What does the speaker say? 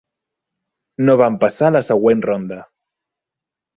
No van passar a la següent ronda.